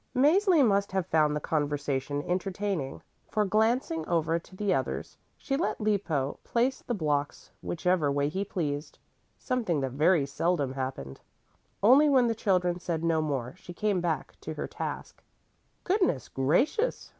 Mäzli must have found the conversation entertaining, for glancing over to the others, she let Lippo place the blocks whichever way he pleased, something that very seldom happened. Only when the children said no more she came back to her task. "Goodness gracious!"